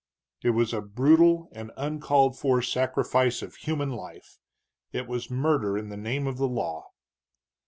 "It was a brutal and uncalled for sacrifice of human life! it was murder in the name of the law."